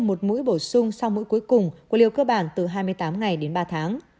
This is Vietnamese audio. một mũi bổ sung sau mỗi cuối cùng của liều cơ bản từ hai mươi tám ngày đến ba tháng